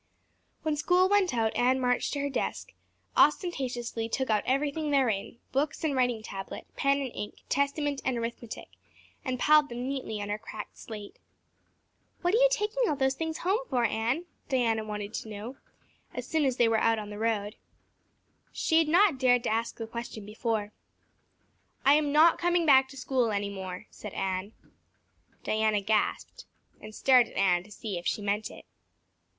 When school went out Anne marched to her desk, ostentatiously took out everything therein, books and writing tablet, pen and ink, testament and arithmetic, and piled them neatly on her cracked slate. "What are you taking all those things home for, Anne?" Diana wanted to know, as soon as they were out on the road. She had not dared to ask the question before. "I am not coming back to school any more," said Anne. Diana gasped and stared at Anne to see if she meant it.